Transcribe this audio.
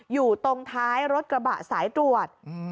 อยู่ตรงท้ายรถกระบะสายตรวจ